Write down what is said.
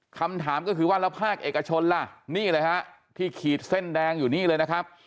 คำถามก็คือว่าแล้วภาคเอกชนล่ะนี่เลยฮะที่ขีดเส้นแดงอยู่นี่เลยนะครับ